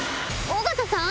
尾形さん？